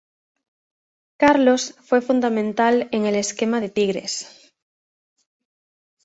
Carlos fue fundamental en el esquema de Tigres.